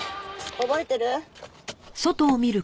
覚えてる？